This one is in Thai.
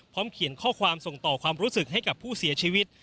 เขียนข้อความส่งต่อความรู้สึกให้กับผู้เสียชีวิต